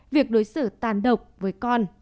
việc đối xử tàn độc với con